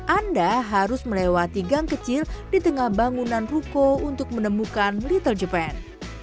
anda harus melewati gang kecil di tengah bangunan ruko untuk menemukan little japan